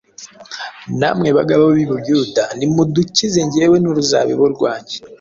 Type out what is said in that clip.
namwe bagabo b’i Buyuda nimudukize jyewe n’uruzabibu rwanjye.